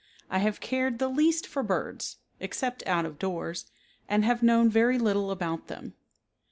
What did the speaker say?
I have cared the least for birds, (except out of doors) and have known very little about them.